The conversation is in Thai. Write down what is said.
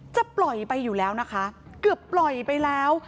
จะปล่อยไปอยู่แล้วนะคะเกือบปล่อยไปแล้ว